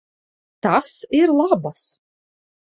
Tas ir labas.